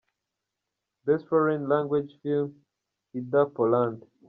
Best Foreign Languange Film: Ida, Poland.